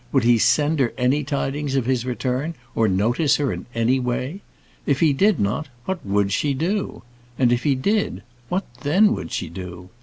Would he send her any tidings of his return, or notice her in any way? If he did not, what would she do? and if he did, what then would she do?